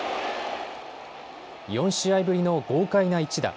４試合ぶりの豪快な１打。